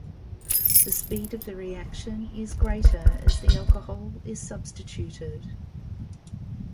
The speed of the reaction is greater as the alcohol is substituted.